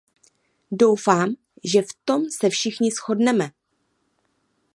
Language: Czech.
Doufám, že v tom se všichni shodneme.